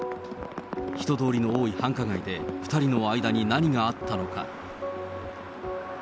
人通りの多い繁華街で、２人の間に何があったのか。